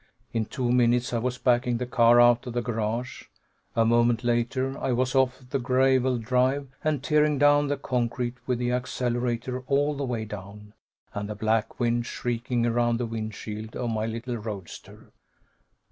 In two minutes I was backing the car out of the garage; a moment later I was off the gravelled drive and tearing down the concrete with the accelerator all the way down, and the black wind shrieking around the windshield of my little roadster.